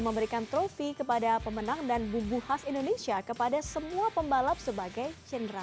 memberikan trofi kepada pemenang dan bumbu khas indonesia kepada semua pembalap sebagai cendera